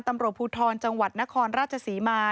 ตำรวจภูทรจังหวัดนครราชศรีมา